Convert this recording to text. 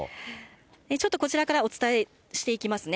ちょっとこちらからお伝えしていきますね。